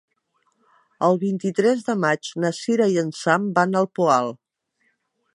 El vint-i-tres de maig na Cira i en Sam van al Poal.